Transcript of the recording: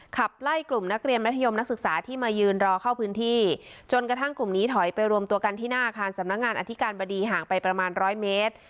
ขับไล่กลุ่มนักเรียนมัธยมนักศึกษาที่มายืนรอเข้าพื้นที่จนกระทั่งกลุ่มนี้ถอยไปรวมตัวกันที่หน้าอาคารสำนักงานอธิการบดีห่างไปประมาณร้อยเมตร